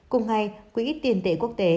cùng ngày quỹ tiền tệ quốc tế